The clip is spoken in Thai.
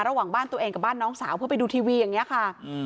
ระหว่างบ้านตัวเองกับบ้านน้องสาวเพื่อไปดูทีวีอย่างนี้ค่ะ